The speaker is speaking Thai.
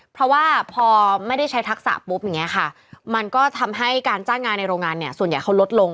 เพราะว่าพอไม่ได้ใช้ทักษะปุ๊บอย่างนี้ค่ะมันก็ทำให้การจ้างงานในโรงงานเนี่ยส่วนใหญ่เขาลดลง